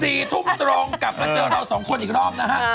๔ทุ่มตรงกลับมาเจอเราสองคนอีกรอบนะฮะ